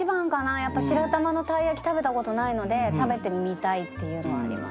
やっぱ白玉のたい焼き食べた事ないので食べてみたいっていうのはあります。